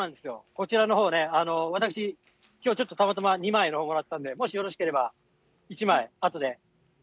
こちらのほうね、私、きょうちょっとたまたま２枚もらったんで、もしよろしければ、１枚、あとで。